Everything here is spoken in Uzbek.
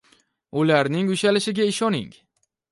Ularning ushalishiga ishoning